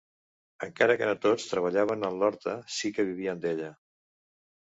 Encara que no tots treballaven en l’horta, sí que vivien d’ella.